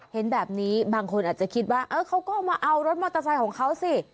เห็นแบบนี้บางคนอาจจะคิดว่าเออเขาก็มาเอารถมอเตอร์ไซค์ของเขาสิ